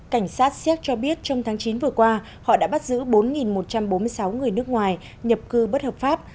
cảnh sát séc cho biết trong tháng chín vừa qua họ đã bắt giữ bốn một trăm bốn mươi sáu người nước ngoài nhập cư bất hợp pháp